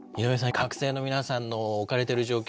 学生の皆さんの置かれてる状況